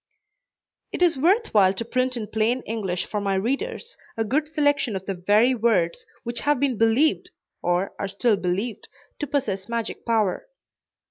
It is worth while to print in plain English for my readers a good selection of the very words which have been believed, or are still believed, to possess magic power.